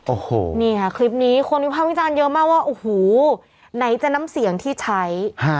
โอ้โหเนี่ยคลิปนี้คนพิชาลเยอะมากว่าโอ้โหไหนจะน้ำเสียงที่ใช้ฮะ